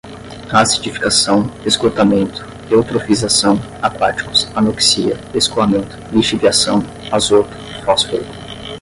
acidificação, esgotamento, eutrofização, aquáticos, anoxia, escoamento, lixiviação, azoto, fósforo